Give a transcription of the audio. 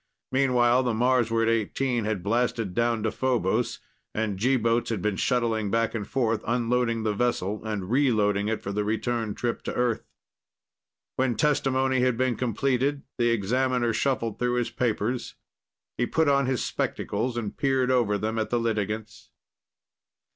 Meanwhile, the Marsward XVIII had blasted down to Phobos, and G boats had been shuttling back and forth unloading the vessel and reloading it for the return trip to Earth. When testimony had been completed, the examiner shuffled through his papers. He put on his spectacles and peered over them at the litigants.